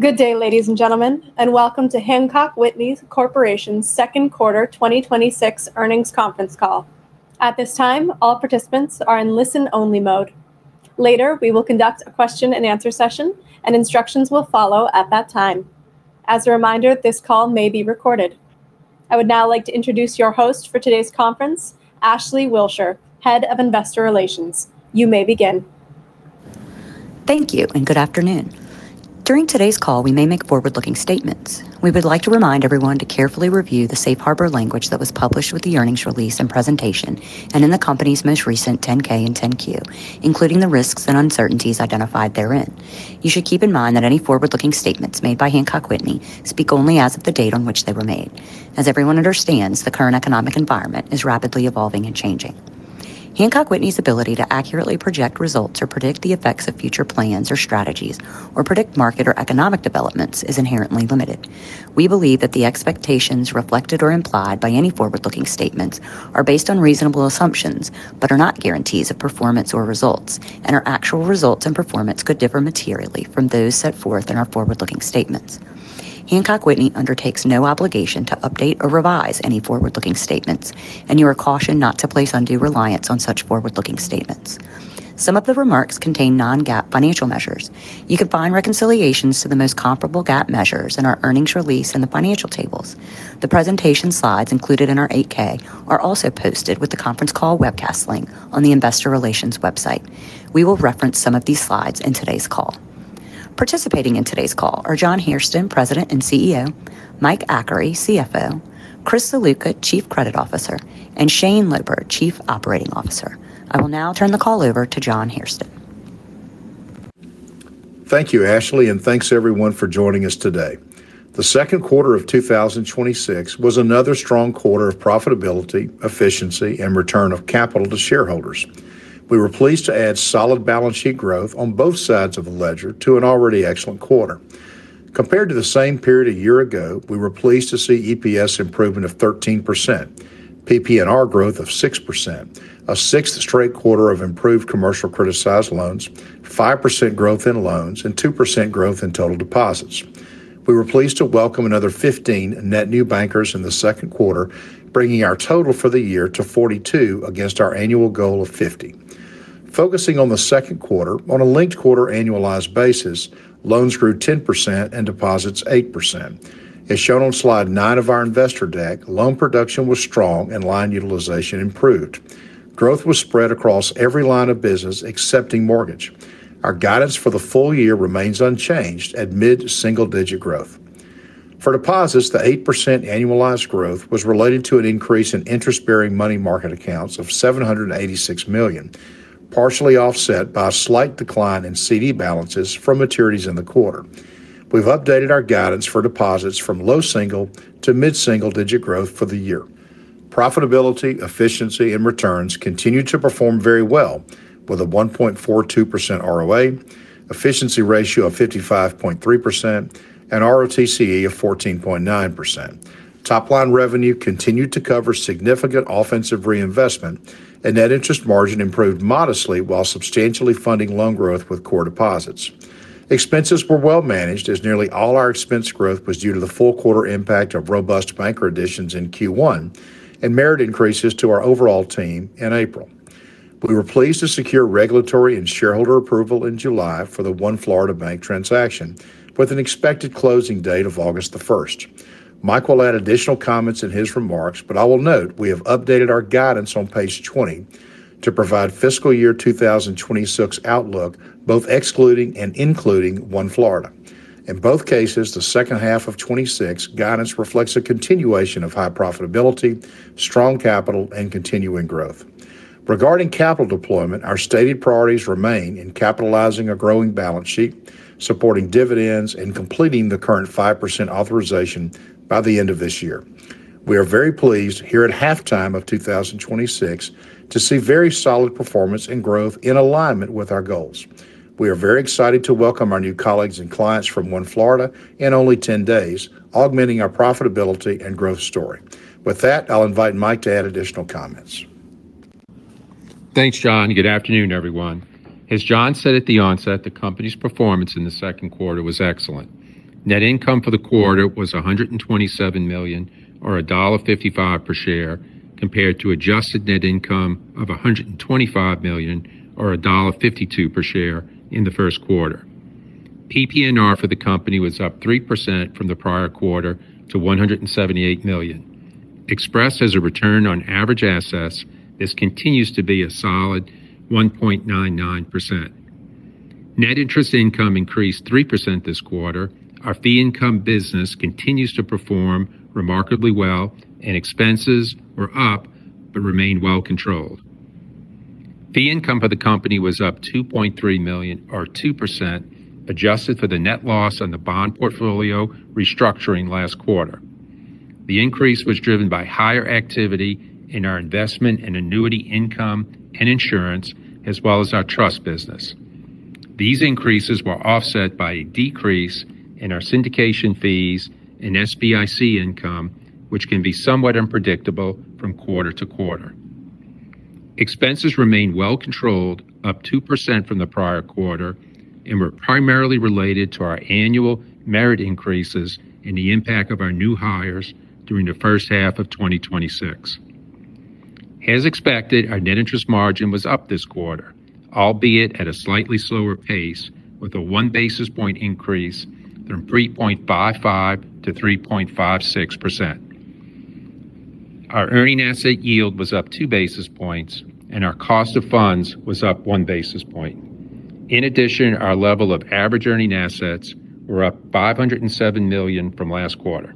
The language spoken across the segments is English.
Good day, ladies and gentlemen, and welcome to Hancock Whitney Corporation's second quarter 2026 earnings conference call. At this time, all participants are in listen-only mode. Later, we will conduct a question and answer session, and instructions will follow at that time. As a reminder, this call may be recorded. I would now like to introduce your host for today's conference, Ashleigh Wilshire, Head of Investor Relations. You may begin. Thank you and good afternoon. During today's call, we may make forward-looking statements. We would like to remind everyone to carefully review the safe harbor language that was published with the earnings release and presentation, and in the company's most recent 10-K and 10-Q, including the risks and uncertainties identified therein. You should keep in mind that any forward-looking statements made by Hancock Whitney speak only as of the date on which they were made. As everyone understands, the current economic environment is rapidly evolving and changing. Hancock Whitney's ability to accurately project results or predict the effects of future plans or strategies, or predict market or economic developments is inherently limited. We believe that the expectations reflected or implied by any forward-looking statements are based on reasonable assumptions, but are not guarantees of performance or results, and our actual results and performance could differ materially from those set forth in our forward-looking statements. Hancock Whitney undertakes no obligation to update or revise any forward-looking statements, and you are cautioned not to place undue reliance on such forward-looking statements. Some of the remarks contain non-GAAP financial measures. You can find reconciliations to the most comparable GAAP measures in our earnings release in the financial tables. The presentation slides included in our 8-K are also posted with the conference call webcast link on the investor relations website. We will reference some of these slides in today's call. Participating in today's call are John Hairston, President and CEO, Mike Achary, CFO, Chris Ziluca, Chief Credit Officer, and Shane Loper, Chief Operating Officer. I will now turn the call over to John Hairston. Thank you, Ashleigh, and thanks everyone for joining us today. The second quarter of 2026 was another strong quarter of profitability, efficiency, and return of capital to shareholders. We were pleased to add solid balance sheet growth on both sides of the ledger to an already excellent quarter. Compared to the same period a year ago, we were pleased to see EPS improvement of 13%, PPNR growth of 6%, a sixth straight quarter of improved commercial criticized loans, 5% growth in loans, and 2% growth in total deposits. We were pleased to welcome another 15 net new bankers in the second quarter, bringing our total for the year to 42 against our annual goal of 50. Focusing on the second quarter on a linked quarter annualized basis, loans grew 10% and deposits 8%. As shown on slide nine of our investor deck, loan production was strong and line utilization improved. Growth was spread across every line of business accepting mortgage. Our guidance for the full year remains unchanged at mid-single digit growth. For deposits, the 8% annualized growth was related to an increase in interest-bearing money market accounts of $786 million, partially offset by a slight decline in CD balances from maturities in the quarter. We've updated our guidance for deposits from low single to mid-single digit growth for the year. Profitability, efficiency, and returns continued to perform very well with a 1.42% ROA, efficiency ratio of 55.3%, and ROTCE of 14.9%. Top-line revenue continued to cover significant offensive reinvestment, and net interest margin improved modestly while substantially funding loan growth with core deposits. Expenses were well managed as nearly all our expense growth was due to the full quarter impact of robust banker additions in Q1 and merit increases to our overall team in April. We were pleased to secure regulatory and shareholder approval in July for the One Florida Bank transaction, with an expected closing date of August the 1st. Mike will add additional comments in his remarks, but I will note we have updated our guidance on page 20 to provide fiscal year 2026 outlook, both excluding and including One Florida. In both cases, the second half of 2026 guidance reflects a continuation of high profitability, strong capital, and continuing growth. Regarding capital deployment, our stated priorities remain in capitalizing a growing balance sheet, supporting dividends, and completing the current 5% authorization by the end of this year. We are very pleased here at halftime of 2026 to see very solid performance and growth in alignment with our goals. We are very excited to welcome our new colleagues and clients from One Florida in only 10 days, augmenting our profitability and growth story. With that, I'll invite Mike to add additional comments. Thanks, John. Good afternoon, everyone. As John said at the onset, the company's performance in the second quarter was excellent. Net income for the quarter was $127 million, or $1.55 per share, compared to adjusted net income of $125 million or $1.52 per share in the first quarter. PPNR for the company was up 3% from the prior quarter to $178 million. Expressed as a return on average assets, this continues to be a solid 1.99%. Net interest income increased 3% this quarter. Our fee income business continues to perform remarkably well. Expenses were up but remain well controlled. Fee income for the company was up $2.3 million or 2%, adjusted for the net loss on the bond portfolio restructuring last quarter. The increase was driven by higher activity in our investment and annuity income and insurance, as well as our trust business. These increases were offset by a decrease in our syndication fees and SBIC income, which can be somewhat unpredictable from quarter to quarter. Expenses remained well controlled, up 2% from the prior quarter, primarily related to our annual merit increases and the impact of our new hires during the first half of 2026. As expected, our net interest margin was up this quarter, albeit at a slightly slower pace, with a 1 basis point increase from 3.55% to 3.56%. Our earning asset yield was up 2 basis points. Our cost of funds was up 1 basis point. In addition, our level of average earning assets were up $507 million from last quarter.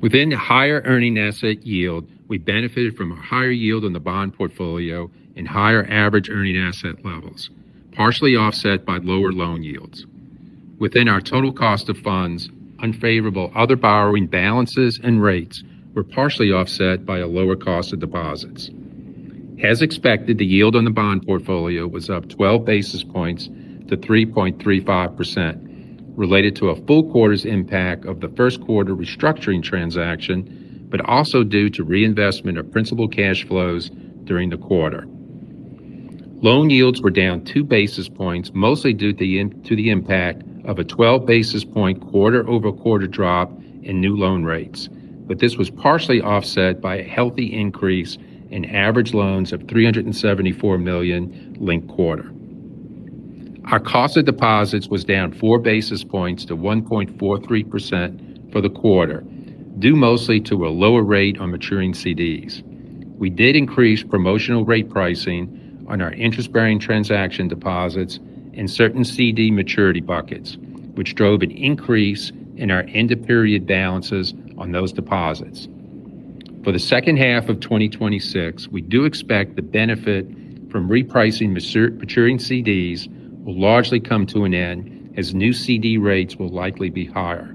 Within the higher earning asset yield, we benefited from a higher yield on the bond portfolio and higher average earning asset levels, partially offset by lower loan yields. Within our total cost of funds, unfavorable other borrowing balances and rates were partially offset by a lower cost of deposits. As expected, the yield on the bond portfolio was up 12 basis points to 3.35%, related to a full quarter's impact of the first quarter restructuring transaction, also due to reinvestment of principal cash flows during the quarter. Loan yields were down 2 basis points, mostly due to the impact of a 12 basis point quarter-over-quarter drop in new loan rates. This was partially offset by a healthy increase in average loans of $374 million linked quarter. Our cost of deposits was down 4 basis points to 1.43% for the quarter, due mostly to a lower rate on maturing CDs. We did increase promotional rate pricing on our interest-bearing transaction deposits in certain CD maturity buckets, which drove an increase in our end-of-period balances on those deposits. For the second half of 2026, we do expect the benefit from repricing maturing CDs will largely come to an end, as new CD rates will likely be higher.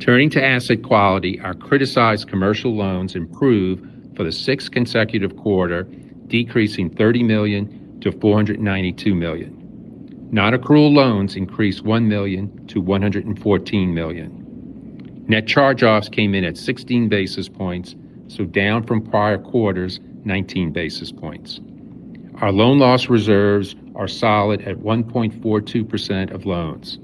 Turning to asset quality, our criticized commercial loans improved for the sixth consecutive quarter, decreasing $30 million to $492 million. Non-accrual loans increased $1 million to $114 million. Net charge-offs came in at 16 basis points, down from prior quarter's 19 basis points. Our loan loss reserves are solid at 1.42% of loans.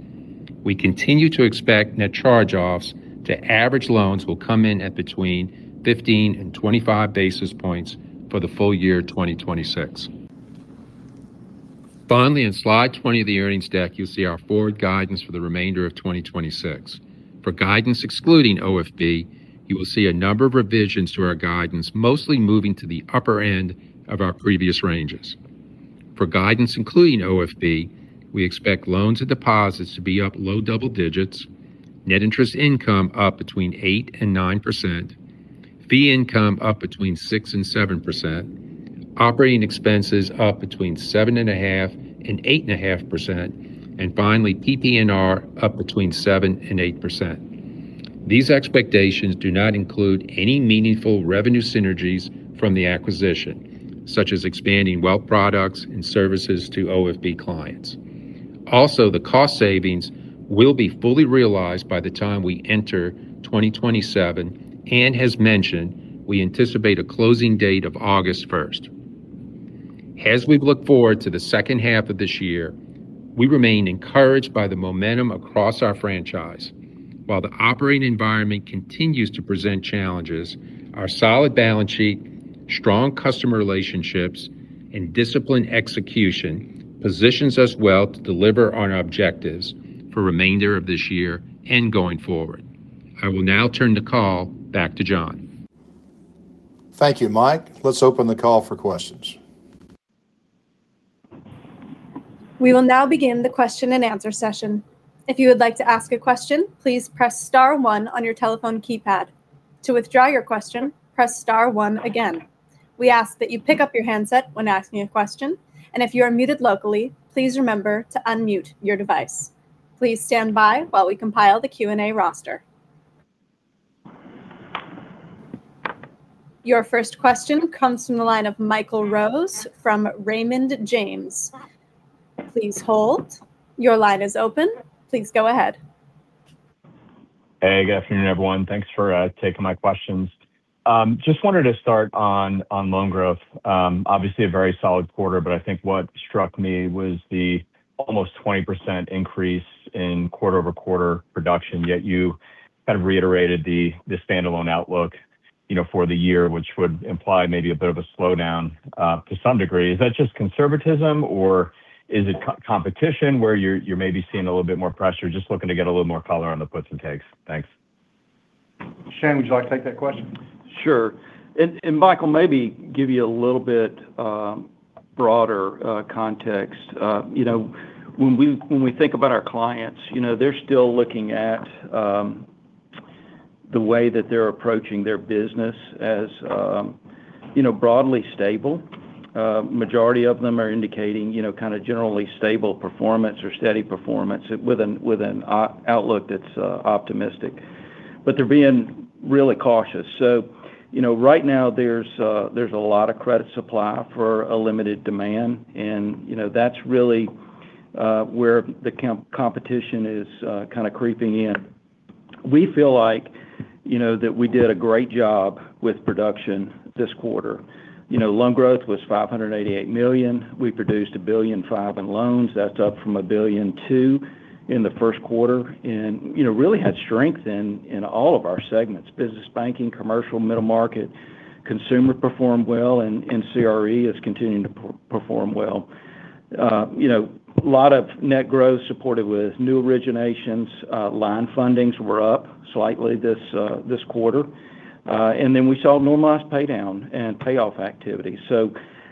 We continue to expect net charge-offs to average loans will come in at between 15 and 25 basis points for the full year 2026. Finally, on slide 20 of the earnings deck, you'll see our forward guidance for the remainder of 2026. For guidance excluding OFB, you will see a number of revisions to our guidance, mostly moving to the upper end of our previous ranges. For guidance including OFB, we expect loans and deposits to be up low double digits, net interest income up between 8% and 9%, fee income up between 6% and 7%, operating expenses up between 7.5% and 8.5%, and finally, PPNR up between 7% and 8%. These expectations do not include any meaningful revenue synergies from the acquisition, such as expanding wealth products and services to OFB clients. Also, the cost savings will be fully realized by the time we enter 2027, and as mentioned, we anticipate a closing date of August 1st. As we look forward to the second half of this year, we remain encouraged by the momentum across our franchise. While the operating environment continues to present challenges, our solid balance sheet, strong customer relationships, and disciplined execution positions us well to deliver on our objectives for remainder of this year and going forward. I will now turn the call back to John. Thank you, Mike. Let's open the call for questions. We will now begin the question and answer session. If you would like to ask a question, please press star one on your telephone keypad. To withdraw your question, press star one again. We ask that you pick up your handset when asking a question, and if you are muted locally, please remember to unmute your device. Please stand by while we compile the Q&A roster. Your first question comes from the line of Michael Rose from Raymond James. Please hold. Your line is open. Please go ahead. Hey, good afternoon everyone. Thanks for taking my questions. Just wanted to start on loan growth. Obviously a very solid quarter, I think what struck me was the almost 20% increase in quarter-over-quarter production, yet you kind of reiterated the standalone outlook for the year, which would imply maybe a bit of a slowdown to some degree. Is that just conservatism, or is it competition where you're maybe seeing a little bit more pressure? Just looking to get a little more color on the puts and takes. Thanks. Shane, would you like to take that question? Sure. Michael, maybe give you a little bit broader context. When we think about our clients, they're still looking at the way that they're approaching their business as broadly stable. Majority of them are indicating kind of generally stable performance or steady performance with an outlook that's optimistic. They're being really cautious. Right now there's a lot of credit supply for a limited demand, and that's really where the competition is kind of creeping in. We feel like that we did a great job with production this quarter. Loan growth was $588 million. We produced $1.5 billion in loans. That's up from $1.2 billion in the first quarter, really had strength in all of our segments, business banking, commercial, middle market, consumer performed well, and CRE is continuing to perform well. A lot of net growth supported with new originations. Line fundings were up slightly this quarter. Then we saw normalized pay down and payoff activity.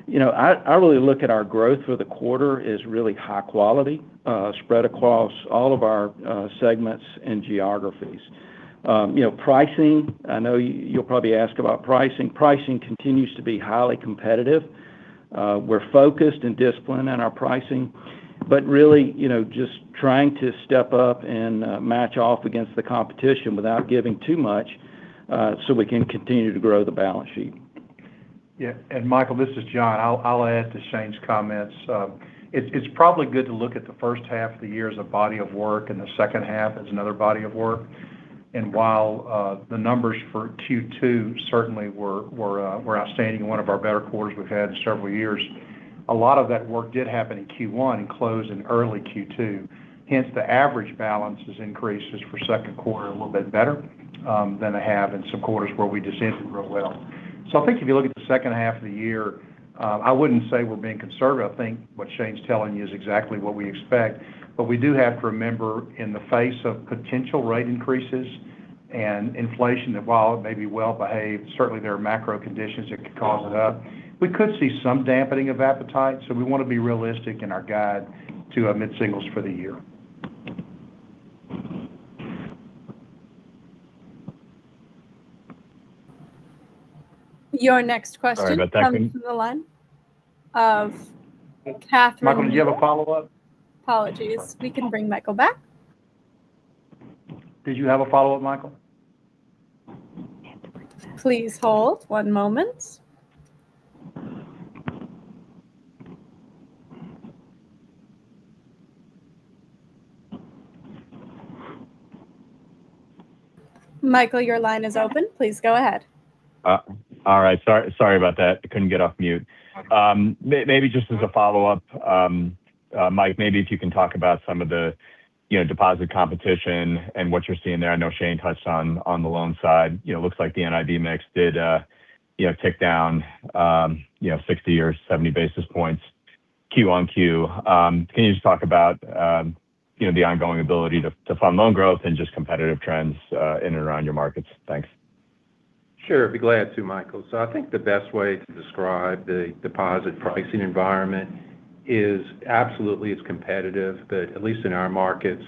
I really look at our growth for the quarter as really high quality spread across all of our segments and geographies. Pricing, I know you'll probably ask about pricing. Pricing continues to be highly competitive. We're focused and disciplined on our pricing, really just trying to step up and match off against the competition without giving too much, we can continue to grow the balance sheet. Yeah. Michael, this is John. I'll add to Shane's comments. It's probably good to look at the first half of the year as a body of work and the second half as another body of work. While the numbers for Q2 certainly were outstanding and one of our better quarters we've had in several years, a lot of that work did happen in Q1 and close in early Q2. Hence, the average balances increases for second quarter a little bit better than they have in some quarters where we just didn't do real well. I think if you look at the second half of the year, I wouldn't say we're being conservative. I think what Shane's telling you is exactly what we expect. We do have to remember in the face of potential rate increases and inflation that while it may be well behaved, certainly there are macro conditions that could cause it up. We could see some dampening of appetite, we want to be realistic in our guide to mid-singles for the year. Your next question. Comes from the line of Catherine. Michael, do you have a follow-up? Apologies. We can bring Michael back. Did you have a follow-up, Michael? Please hold one moment. Michael, your line is open. Please go ahead. All right. Sorry about that. I couldn't get off mute. Okay. Maybe just as a follow-up, Mike, maybe if you can talk about some of the deposit competition and what you're seeing there. I know Shane touched on the loan side. It looks like the NIB mix did tick down 60 or 70 basis points Q-on-Q. Can you just talk about the ongoing ability to fund loan growth and just competitive trends in and around your markets? Thanks. Sure. Be glad to, Michael. I think the best way to describe the deposit pricing environment is absolutely it's competitive, but at least in our markets,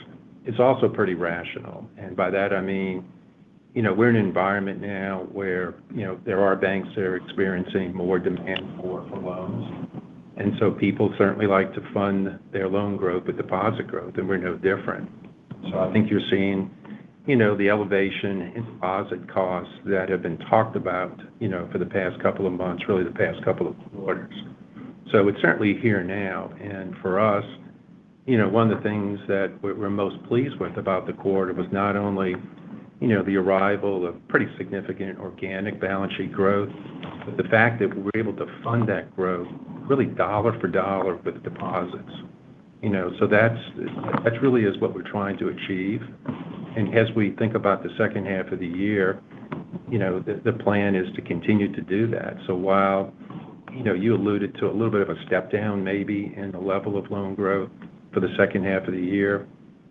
it's also pretty rational. By that I mean, we're in an environment now where there are banks that are experiencing more demand for loans, and so people certainly like to fund their loan growth with deposit growth, and we're no different. I think you're seeing the elevation in deposit costs that have been talked about for the past couple of months, really the past couple of quarters. It's certainly here now. For us, one of the things that we're most pleased with about the quarter was not only the arrival of pretty significant organic balance sheet growth, but the fact that we're able to fund that growth really dollar for dollar with deposits. That really is what we're trying to achieve. As we think about the second half of the year, the plan is to continue to do that. While you alluded to a little bit of a step down maybe in the level of loan growth for the second half of the year,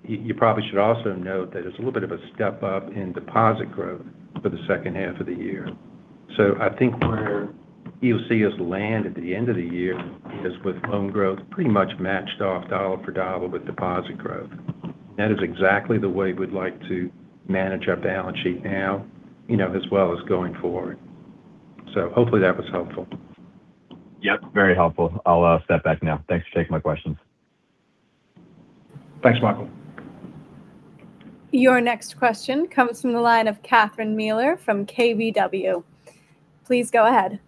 you probably should also note that it's a little bit of a step up in deposit growth for the second half of the year. I think where you'll see us land at the end of the year is with loan growth pretty much matched off dollar for dollar with deposit growth. That is exactly the way we'd like to manage our balance sheet now, as well as going forward. Hopefully that was helpful. Yep, very helpful. I'll step back now. Thanks for taking my questions. Thanks, Michael. Your next question comes from the line of Catherine Mealor from KBW. Please go ahead.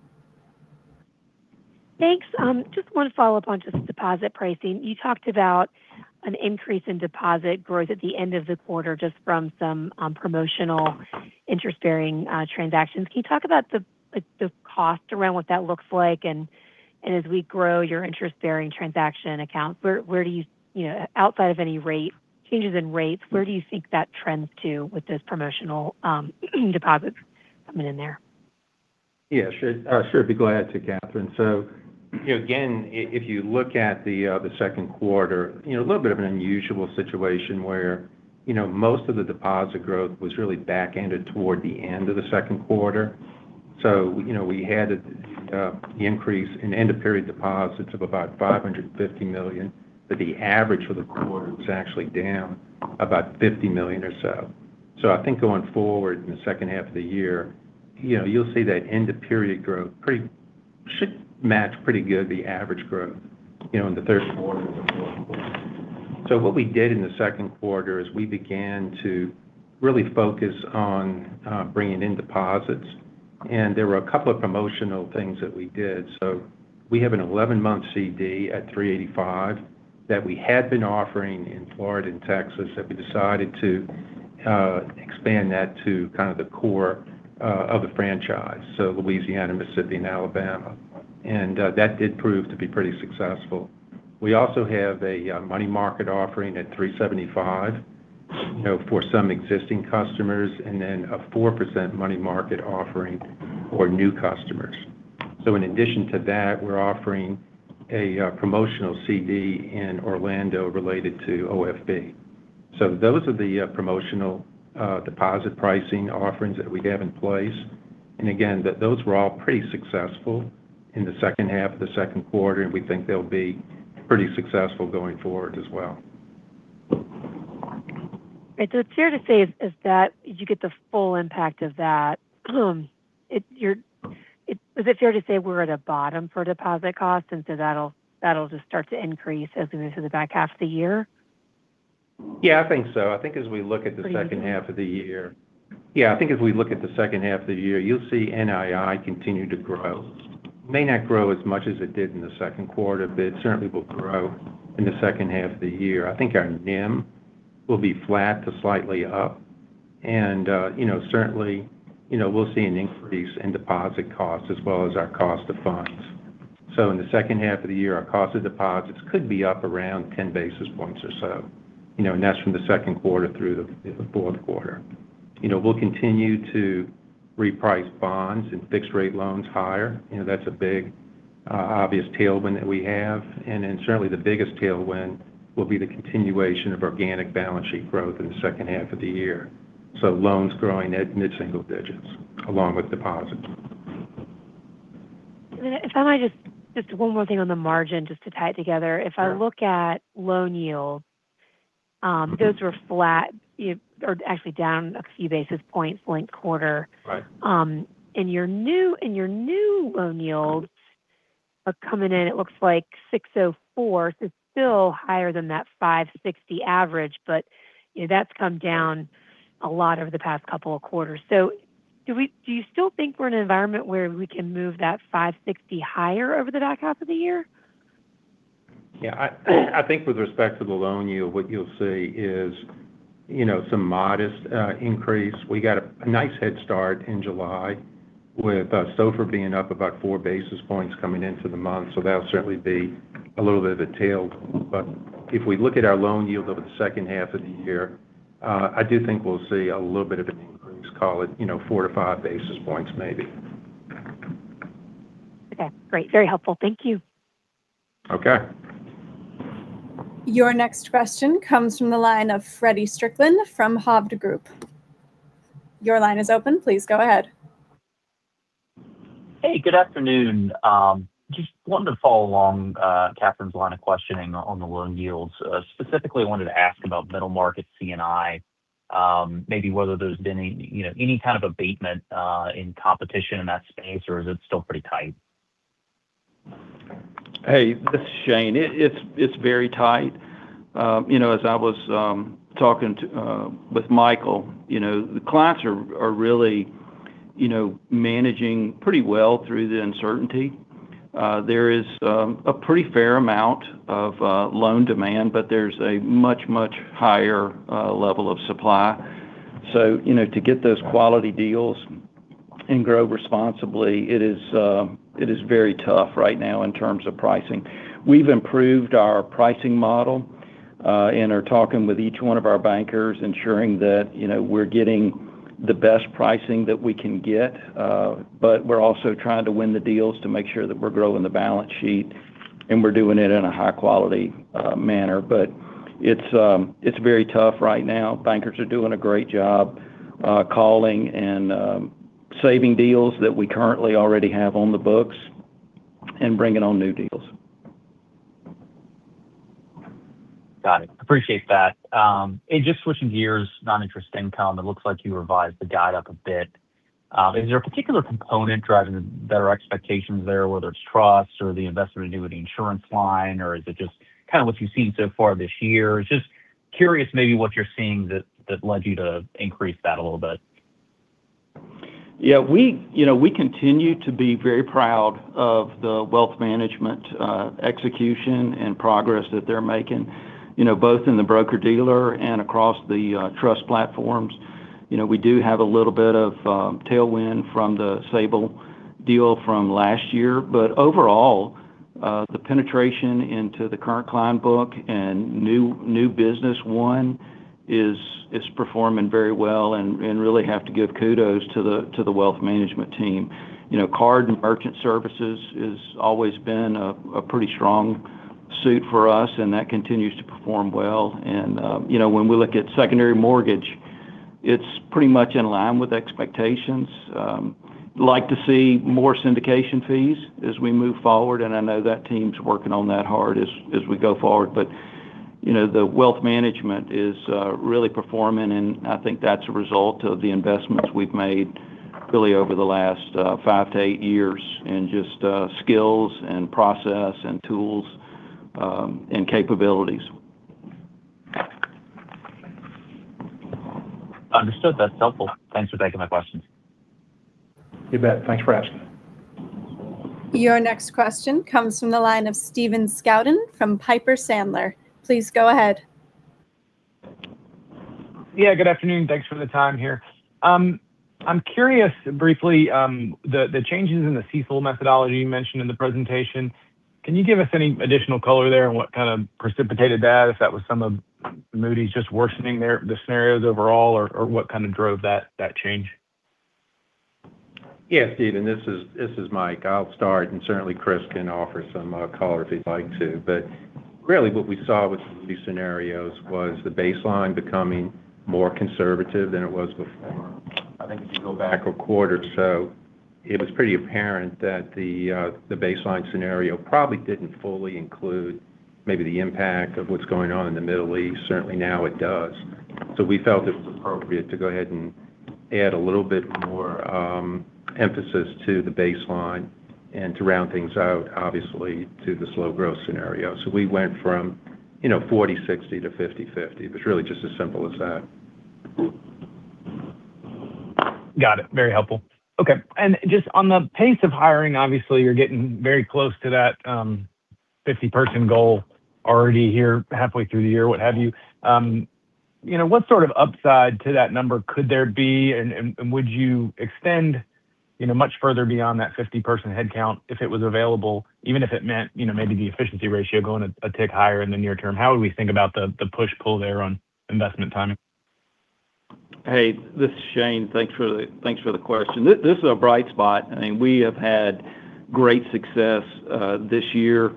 Thanks. Just want to follow up on just deposit pricing. You talked about an increase in deposit growth at the end of the quarter just from some promotional interest-bearing transactions. Can you talk about the cost around what that looks like? As we grow your interest-bearing transaction accounts, outside of any changes in rates, where do you think that trends to with those promotional deposits coming in there? Yeah, sure. Sure, be glad to, Catherine. Again, if you look at the second quarter, a little bit of an unusual situation where most of the deposit growth was really backended toward the end of the second quarter. We had the increase in end of period deposits of about $550 million, but the average for the quarter was actually down about $50 million or so. I think going forward in the second half of the year, you'll see that end of period growth should match pretty good the average growth in the. What we did in the second quarter is we began to really focus on bringing in deposits, and there were a couple of promotional things that we did. We have an 11-month CD at 3.85% that we had been offering in Florida and Texas that we decided to expand that to the core of the franchise. Louisiana, Mississippi, and Alabama. That did prove to be pretty successful. We also have a money market offering at 3.75% for some existing customers, and then a 4% money market offering for new customers. In addition to that, we're offering a promotional CD in Orlando related to OFB. Those are the promotional deposit pricing offerings that we have in place. Again, those were all pretty successful in the second half of the second quarter, and we think they'll be pretty successful going forward as well. Right. It's fair to say is that you get the full impact of that. Is it fair to say we're at a bottom for deposit costs, that'll just start to increase as we move through the back half of the year? Yeah, I think so. I think as we look at the second half of the year, you'll see NII continue to grow. May not grow as much as it did in the second quarter, but it certainly will grow in the second half of the year. I think our NIM will be flat to slightly up, and certainly we'll see an increase in deposit costs as well as our cost of funds. In the second half of the year, our cost of deposits could be up around 10 basis points or so. That's from the second quarter through the fourth quarter. We'll continue to reprice bonds and fixed rate loans higher. That's a big obvious tailwind that we have. Certainly the biggest tailwind will be the continuation of organic balance sheet growth in the second half of the year. Loans growing at mid-single digits along with deposits. If I might just one more thing on the margin, just to tie it together. If I look at loan yields, those were flat or actually down a few basis points linked quarter. Right. In your new loan yields are coming in, it looks like 6.04% is still higher than that 5.60% average, but that's come down a lot over the past couple of quarters. Do you still think we're in an environment where we can move that 5.60% higher over the back half of the year? Yeah. I think with respect to the loan yield, what you'll see is some modest increase. We got a nice head start in July with SOFR being up about 4 basis points coming into the month. That'll certainly be a little bit of a tail. If we look at our loan yield over the second half of the year, I do think we'll see a little bit of an increase, call it 4-5 basis points maybe. Okay, great. Very helpful. Thank you. Okay. Your next question comes from the line of Feddie Strickland from Hovde Group. Your line is open. Please go ahead. Hey, good afternoon. Just wanted to follow along Catherine's line of questioning on the loan yields. Specifically, I wanted to ask about middle market C&I, maybe whether there's been any kind of abatement in competition in that space, or is it still pretty tight? Hey, this is Shane. It's very tight. As I was talking with Michael, the clients are really managing pretty well through the uncertainty. There is a pretty fair amount of loan demand, but there's a much, much higher level of supply. To get those quality deals and grow responsibly, it is very tough right now in terms of pricing. We've improved our pricing model, and are talking with each one of our bankers, ensuring that we're getting the best pricing that we can get. We're also trying to win the deals to make sure that we're growing the balance sheet, and we're doing it in a high-quality manner. It's very tough right now. Bankers are doing a great job calling and saving deals that we currently already have on the books and bringing on new deals. Got it. Appreciate that. Just switching gears, non-interest income, it looks like you revised the guide up a bit. Is there a particular component driving better expectations there? Whether it's trust or the investment annuity insurance line, or is it just kind of what you've seen so far this year? Just curious maybe what you're seeing that led you to increase that a little bit. Yeah, we continue to be very proud of the wealth management execution and progress that they're making, both in the broker-dealer and across the trust platforms. We do have a little bit of tailwind from the Sabal deal from last year, overall, the penetration into the current client book and new business won is performing very well, and really have to give kudos to the wealth management team. Card and merchant services has always been a pretty strong suit for us, and that continues to perform well. When we look at secondary mortgage, it's pretty much in line with expectations. Like to see more syndication fees as we move forward, I know that team's working on that hard as we go forward. The wealth management is really performing, and I think that's a result of the investments we've made really over the last five to eight years in just skills and process and tools and capabilities. Understood. That's helpful. Thanks for taking my questions. You bet. Thanks for asking. Your next question comes from the line of Stephen Scouten from Piper Sandler. Please go ahead. Yeah, good afternoon. Thanks for the time here. I'm curious briefly, the changes in the CECL methodology you mentioned in the presentation, can you give us any additional color there on what kind of precipitated that? If that was some of Moody's just worsening the scenarios overall, or what kind of drove that change? Yeah, Stephen. This is Mike. I'll start, and certainly Chris can offer some color if he'd like to. Really what we saw with the new scenarios was the baseline becoming more conservative than it was before. I think if you go back a quarter or so, it was pretty apparent that the baseline scenario probably didn't fully include maybe the impact of what's going on in the Middle East. Certainly now it does. We felt it was appropriate to go ahead and add a little bit more emphasis to the baseline and to round things out, obviously, to the slow growth scenario. We went from 40/60 to 50/50. It's really just as simple as that. Got it. Very helpful. Okay. Just on the pace of hiring, obviously, you're getting very close to that 50 person goal already here halfway through the year, what have you. What sort of upside to that number could there be? And would you extend much further beyond that 50 person headcount if it was available, even if it meant maybe the efficiency ratio going a tick higher in the near term? How would we think about the push-pull there on investment timing? Hey, this is Shane. Thanks for the question. This is a bright spot. We have had great success. This year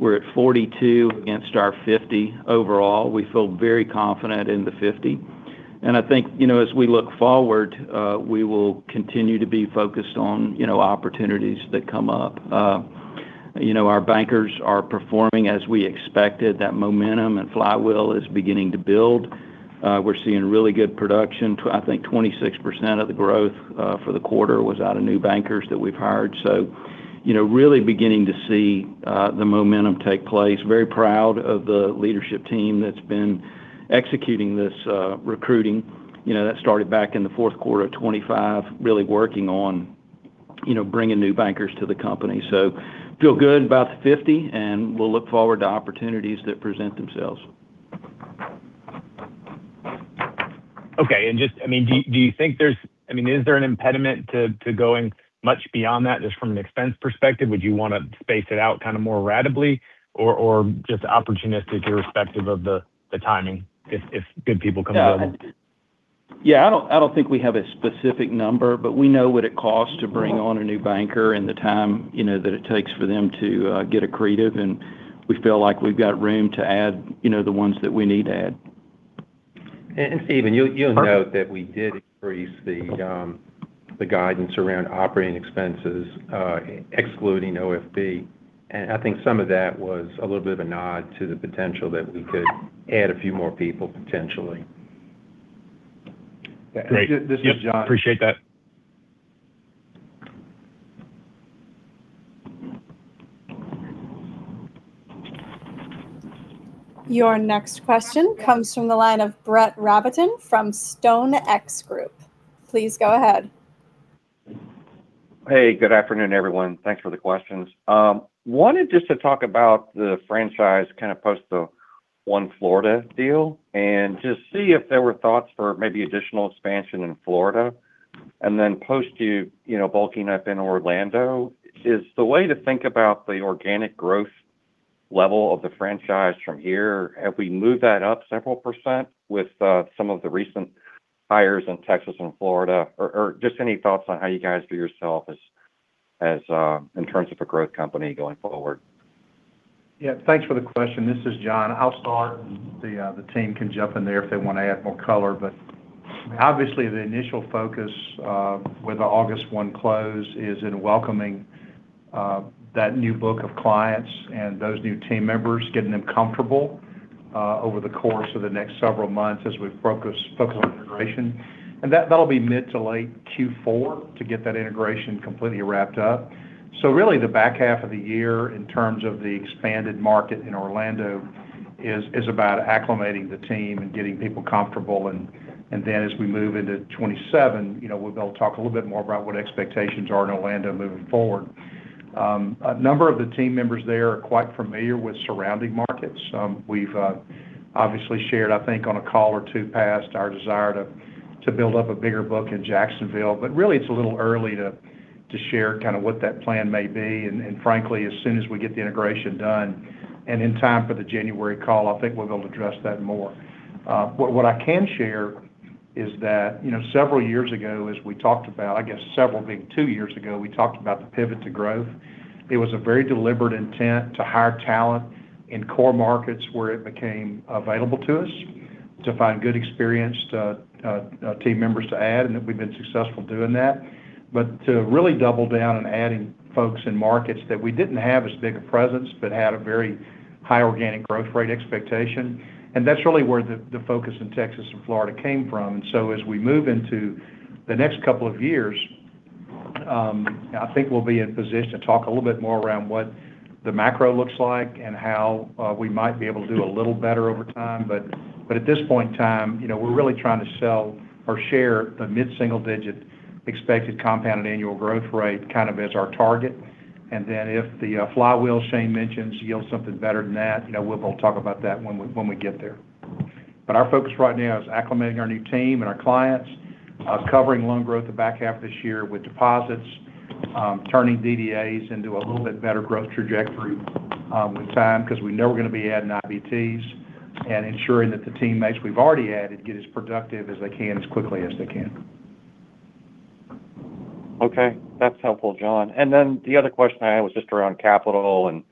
we're at 42 against our 50 overall. We feel very confident in the 50. I think, as we look forward, we will continue to be focused on opportunities that come up. Our bankers are performing as we expected. That momentum and flywheel is beginning to build. We're seeing really good production. I think 26% of the growth for the quarter was out of new bankers that we've hired. Really beginning to see the momentum take place. Very proud of the leadership team that's been executing this recruiting. That started back in the fourth quarter of 2025, really working on bringing new bankers to the company. Feel good about the 50, and we'll look forward to opportunities that present themselves. Okay. Is there an impediment to going much beyond that, just from an expense perspective? Would you want to space it out more ratably or just opportunistic irrespective of the timing if good people come available? Yeah, I don't think we have a specific number, but we know what it costs to bring on a new banker and the time that it takes for them to get accretive, and we feel like we've got room to add the ones that we need to add. Steven, you'll note that we did increase the guidance around operating expenses excluding OFB. I think some of that was a little bit of a nod to the potential that we could add a few more people potentially. Great. This is John. Yep, appreciate that. Your next question comes from the line of Brett Rabatin from StoneX Group. Please go ahead. Hey, good afternoon, everyone. Thanks for the questions. Wanted just to talk about the franchise kind of post the One Florida deal and just see if there were thoughts for maybe additional expansion in Florida. Then post you bulking up in Orlando, is the way to think about the organic growth level of the franchise from here, have we moved that up several percent with some of the recent hires in Texas and Florida? Just any thoughts on how you guys view yourself in terms of a growth company going forward? Yeah. Thanks for the question. This is John. I'll start. The team can jump in there if they want to add more color. Obviously the initial focus with the August 1 close is in welcoming that new book of clients and those new team members, getting them comfortable over the course of the next several months as we focus on integration. That'll be mid to late Q4 to get that integration completely wrapped up. Really the back half of the year in terms of the expanded market in Orlando is about acclimating the team and getting people comfortable. Then as we move into 2027, we'll be able to talk a little bit more about what expectations are in Orlando moving forward. A number of the team members there are quite familiar with surrounding markets. We've obviously shared, I think, on a call or two past our desire to build up a bigger book in Jacksonville. Really, it's a little early to share what that plan may be. Frankly, as soon as we get the integration done and in time for the January call, I think we'll be able to address that more. What I can share is that several years ago, as we talked about, I guess several being two years ago, we talked about the pivot to growth. It was a very deliberate intent to hire talent in core markets where it became available to us to find good experienced team members to add, and that we've been successful doing that. To really double down on adding folks in markets that we didn't have as big a presence, but had a very high organic growth rate expectation. That's really where the focus in Texas and Florida came from. So as we move into the next couple of years I think we'll be in position to talk a little bit more around what the macro looks like and how we might be able to do a little better over time. At this point in time, we're really trying to sell or share the mid-single digit expected compounded annual growth rate kind of as our target. Then if the flywheel Shane mentions yields something better than that, we'll talk about that when we get there. Our focus right now is acclimating our new team and our clients, covering loan growth the back half of this year with deposits, turning DDAs into a little bit better growth trajectory with time, because we know we're going to be adding IBTs. Ensuring that the teammates we've already added get as productive as they can, as quickly as they can. Okay. That's helpful, John. Then the other question I had was just around capital, and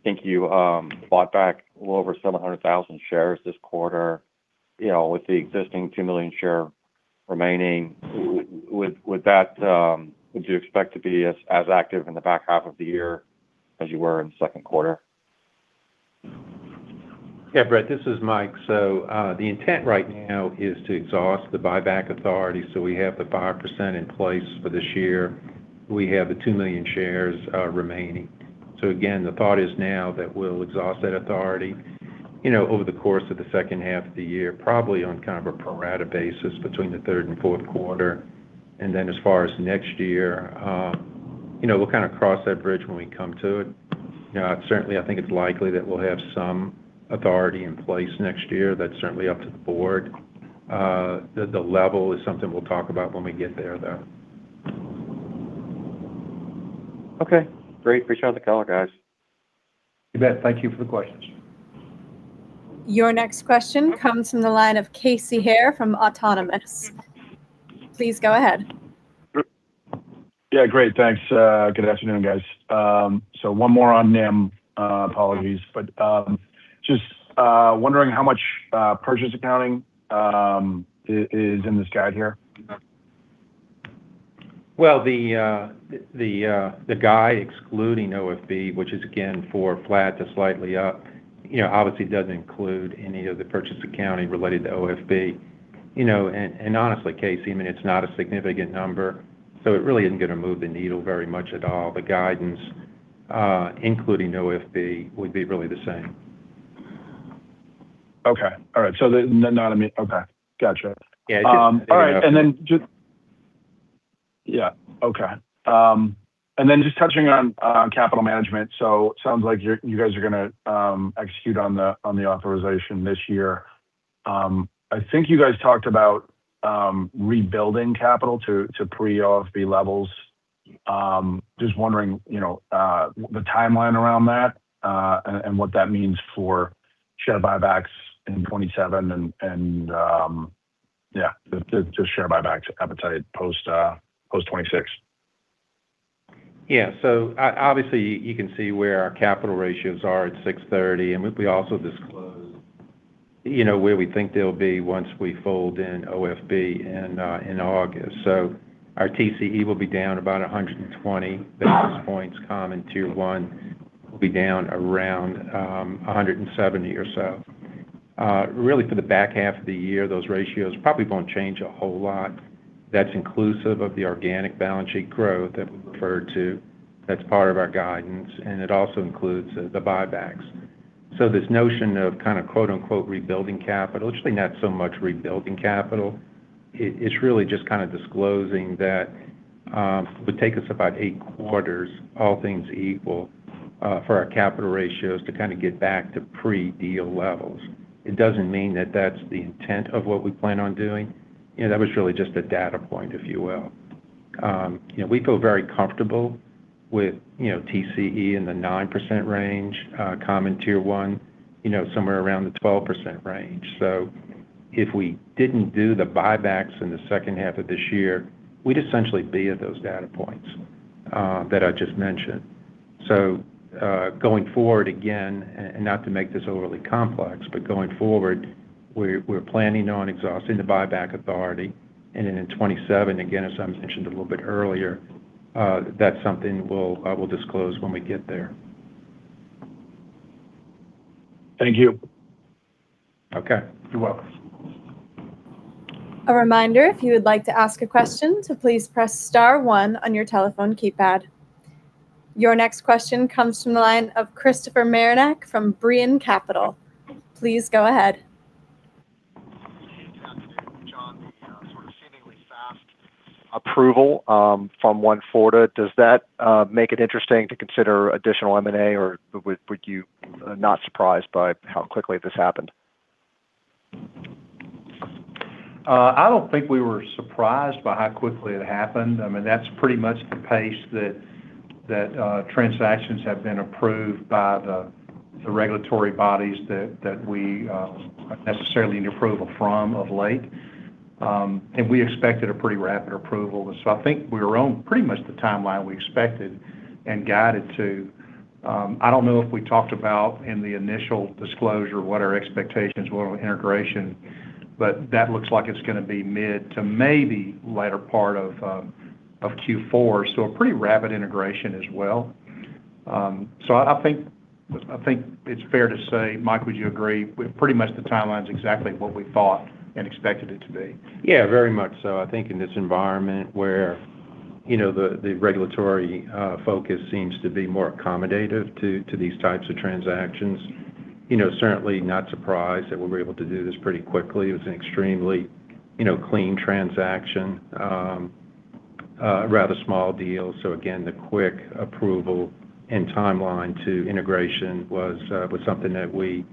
I think you bought back a little over 700,000 shares this quarter. With the existing 2 million share remaining, would you expect to be as active in the back half of the year as you were in the second quarter? Brett, this is Mike. The intent right now is to exhaust the buyback authority, so we have the 5% in place for this year. We have the 2 million shares remaining. Again, the thought is now that we'll exhaust that authority over the course of the second half of the year. Probably on kind of a pro rata basis between the third and fourth quarter. As far as next year, we'll kind of cross that bridge when we come to it. Certainly, I think it's likely that we'll have some authority in place next year. That's certainly up to the board. The level is something we'll talk about when we get there, though. Okay, great. Appreciate the call, guys. You bet. Thank you for the questions. Your next question comes from the line of Casey Haire from Autonomous. Please go ahead. Yeah, great. Thanks. Good afternoon, guys. One more on NIM. Apologies, just wondering how much purchase accounting is in this guide here. The guide excluding OFB, which is again, four flat to slightly up, obviously doesn't include any of the purchase accounting related to OFB. Honestly, Casey, it's not a significant number, it really isn't going to move the needle very much at all. The guidance, including OFB, would be really the same. Okay. All right. Okay. Got you. Yeah. All right. Just touching on capital management. Sounds like you guys are going to execute on the authorization this year. I think you guys talked about rebuilding capital to pre-OFB levels. Just wondering the timeline around that, what that means for share buybacks in 2027, just share buybacks appetite post-2026. Yeah. Obviously you can see where our capital ratios are at [630], and we also disclose where we think they'll be once we fold in OFB in August. Our TCE will be down about 120 basis points. Common Tier 1 will be down around 170 or so. Really for the back half of the year, those ratios probably won't change a whole lot. That's inclusive of the organic balance sheet growth that we referred to. That's part of our guidance, and it also includes the buybacks. This notion of kind of, quote unquote, rebuilding capital, it's really not so much rebuilding capital. It's really just kind of disclosing that it would take us about eight quarters, all things equal, for our capital ratios to kind of get back to pre-deal levels. It doesn't mean that that's the intent of what we plan on doing. That was really just a data point, if you will. We feel very comfortable with TCE in the 9% range, Common Tier 1 somewhere around the 12% range. If we didn't do the buybacks in the second half of this year, we'd essentially be at those data points that I just mentioned. Going forward, again, and not to make this overly complex, but going forward, we're planning on exhausting the buyback authority. Then in 2027, again, as I mentioned a little bit earlier, that's something we'll disclose when we get there. Thank you. Okay. You're welcome. A reminder, if you would like to ask a question, to please press star one on your telephone keypad. Your next question comes from the line of Christopher Marinac from Brean Capital. Please go ahead. approval from One Florida, does that make it interesting to consider additional M&A, or were you not surprised by how quickly this happened? I don't think we were surprised by how quickly it happened. That's pretty much the pace that transactions have been approved by the regulatory bodies that we necessarily need approval from of late. We expected a pretty rapid approval. I think we were on pretty much the timeline we expected and guided to. I don't know if we talked about in the initial disclosure what our expectations were on integration, but that looks like it's going to be mid to maybe later part of Q4. A pretty rapid integration as well. I think it's fair to say, Mike, would you agree, pretty much the timeline's exactly what we thought and expected it to be? Yeah, very much so. I think in this environment where the regulatory focus seems to be more accommodative to these types of transactions, certainly not surprised that we were able to do this pretty quickly. It was an extremely clean transaction, a rather small deal. Again, the quick approval and timeline to integration was something that we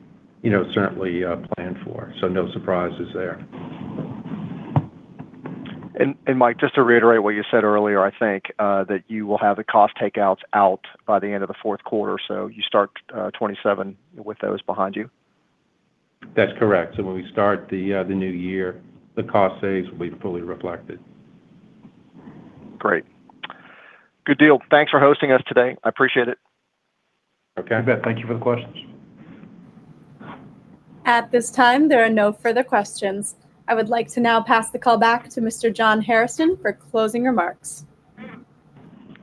certainly planned for. No surprises there. Mike, just to reiterate what you said earlier, I think that you will have the cost takeouts out by the end of the fourth quarter, so you start 2027 with those behind you? That's correct. When we start the new year, the cost saves will be fully reflected. Great. Good deal. Thanks for hosting us today. I appreciate it. Okay. You bet. Thank you for the questions. At this time, there are no further questions. I would like to now pass the call back to Mr. John Hairston for closing remarks.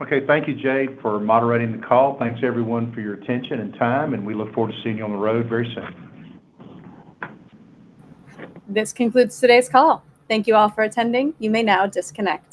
Okay. Thank you, Jay, for moderating the call. Thanks everyone for your attention and time, we look forward to seeing you on the road very soon. This concludes today's call. Thank you all for attending. You may now disconnect.